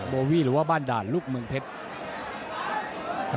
โบวี่หรือว่าบ้านด่านลูกเมืองเพชร